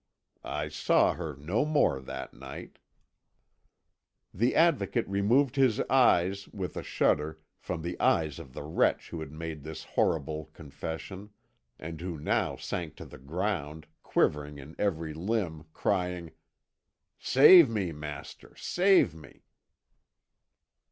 "I saw her no more that night!" The Advocate removed his eyes, with a shudder, from the eyes of the wretch who had made this horrible confession, and who now sank to the ground, quivering in every limb, crying: "Save me, master, save me!"